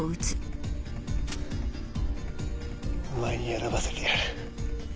お前に選ばせてやる。